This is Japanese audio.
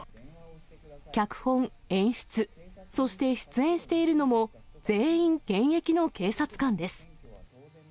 脚本・演出、そして出演しているのも、全員現役の警察官です。